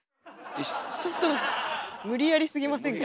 ちょっと無理やりすぎませんか。